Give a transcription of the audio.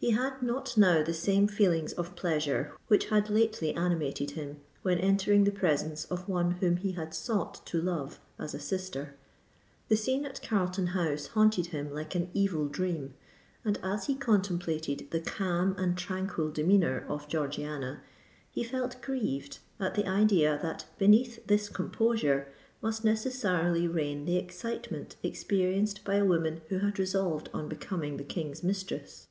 He had not now the same feelings of pleasure which had lately animated him, when entering the presence of one whom he had sought to love as a sister: the scene at Carlton House haunted him like an evil dream;—and as he contemplated the calm and tranquil demeanour of Georgiana, he felt grieved at the idea that beneath this composure must necessarily reign the excitement experienced by a woman who had resolved on becoming the King's mistress.